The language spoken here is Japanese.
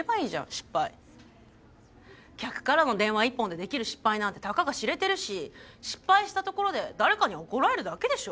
客からの電話一本でできる失敗なんてたかが知れてるし失敗したところで誰かに怒られるだけでしょ？